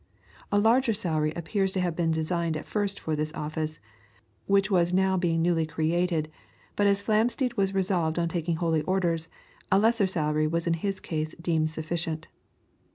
A larger salary appears to have been designed at first for this office, which was now being newly created, but as Flamsteed was resolved on taking holy orders, a lesser salary was in his case deemed sufficient.